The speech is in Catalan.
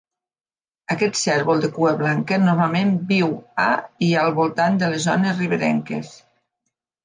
Aquest cérvol de cua blanca normalment viu a i al voltant de les zones riberenques.